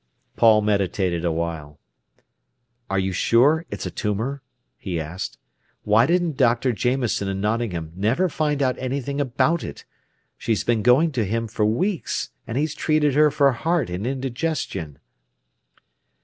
_" Paul meditated a while. "Are you sure it's a tumour?" he asked. "Why did Dr. Jameson in Nottingham never find out anything about it? She's been going to him for weeks, and he's treated her for heart and indigestion."